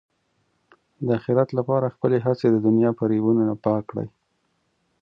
د اخرت لپاره خپلې هڅې د دنیا فریبونو نه پاک کړئ.